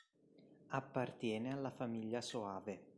Appartiene alla famiglia Soave.